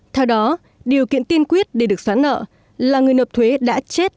theo đó điều kiện tiên quyết để được xóa nợ là người nộp thuế đã chết